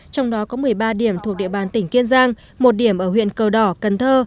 trong đó có một mươi ba điểm thuộc địa bàn tỉnh kiên giang một điểm ở huyện cờ đỏ cần thơ